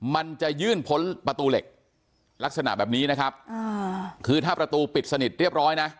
มันจะยื่นพ้นประตูเหล็กลักษณะแบบนี้นะครับ